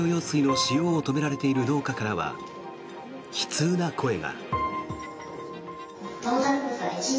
川からの農業用水の使用を止められている農家からは悲痛な声が。